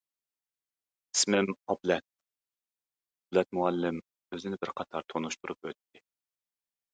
ئىسمىم ئابلەت. — ئابلەت مۇئەللىم ئۆزىنى بىر قاتار تونۇشتۇرۇپ ئۆتتى.